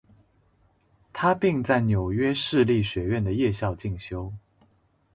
他并在纽约市立学院的夜校进修。